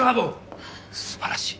素晴らしい。